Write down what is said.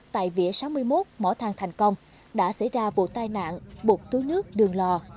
tại vỉa sáu mươi một mỏ thang thành công đã xảy ra vụ tai nạn bột túi nước đường lò